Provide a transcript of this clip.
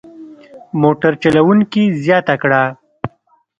موټر چلوونکي زیاته کړه.